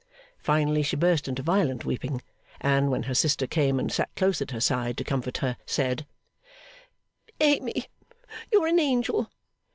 Finally she burst into violent weeping, and, when her sister came and sat close at her side to comfort her, said, 'Amy, you're an Angel!